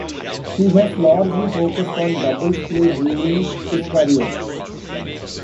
He has largely focused on doubles play during his career.